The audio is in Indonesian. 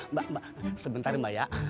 mbak mbak sebentar mbak ya